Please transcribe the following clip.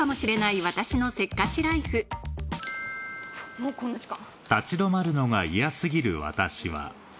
もうこんな時間。